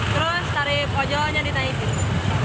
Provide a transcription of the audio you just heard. terus tarif ojolnya ditahiti